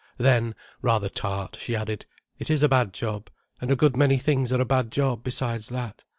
Then, rather tart, she added: "It is a bad job. And a good many things are a bad job, besides that.